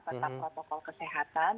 ketam protokol kesehatan